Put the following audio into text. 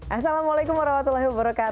assalamualaikum wr wb